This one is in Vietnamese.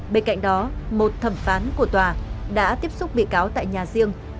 bên cạnh đó một thẩm phán của tòa đã tiếp xúc bị cáo tại nhà riêng